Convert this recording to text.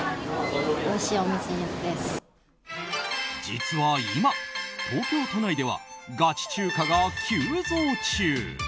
実は今、東京都内ではガチ中華が急増中。